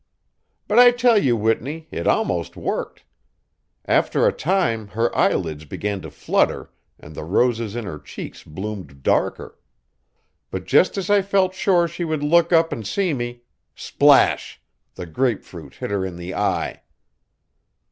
"But I tell you, Whitney, it almost worked. After a time her eyelids began to flutter and the roses in her cheeks bloomed darker. But just as I felt sure she would look up and see me splash! the grapefruit hit her in the eye!"